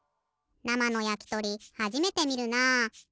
なまのやきとりはじめてみるな。